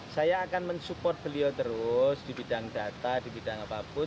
saya akan mensupport beliau terus di bidang data di bidang apapun